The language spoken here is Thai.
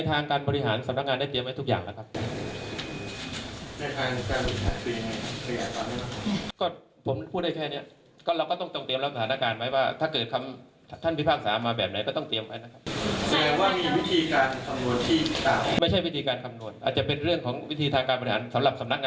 ต้องไปดูคะดูคำวิพากรใบหังสาวเพราะมีการดูครับรัฐธรรมนุน